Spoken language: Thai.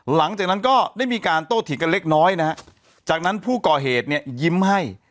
หลังจากนั้นก็ได้มีการโต้เถียงกันเล็กน้อยนะฮะจากนั้นผู้ก่อเหตุเนี่ยยิ้มให้